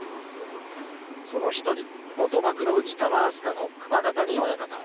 その１人元幕内、玉飛鳥の熊ヶ谷親方。